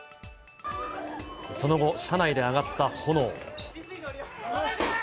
その後、車内で上がった炎。